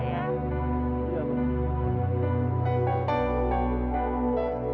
iya kakak pulang ya